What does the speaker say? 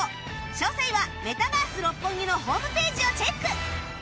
詳細はメタバース六本木のホームページをチェック！